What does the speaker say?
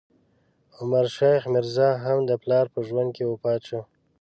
عمر شیخ میرزا، هم د پلار په ژوند کې وفات شو.